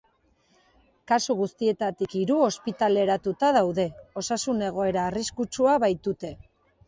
Kasu guzitietatik hiru ospitaleratuta daude, osasun egoera arriskutsua baitute.